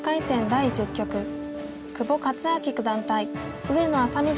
第１０局久保勝昭九段対上野愛咲美